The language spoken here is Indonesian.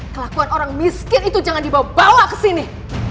kelakuan orang miskin itu jangan dibawa bawa ke sini